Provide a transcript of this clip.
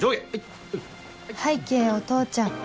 拝啓お父ちゃん